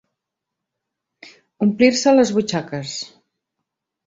Omplir-se les butxaques.